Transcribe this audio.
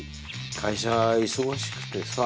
会社忙しくてさ。